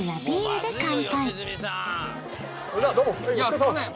すいません